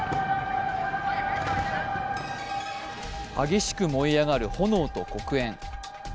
激しく燃え上がる炎と黒煙。